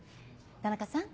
田中さん